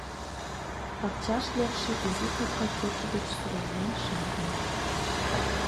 Пакчаш лекше изи капка кӧргӧ гыч сурален шындыме.